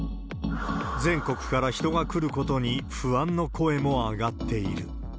全国から人が来ることに不安の声も上がっている。